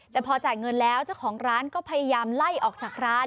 แต่พอจ่ายเงินแล้วเจ้าของร้านก็พยายามไล่ออกจากร้าน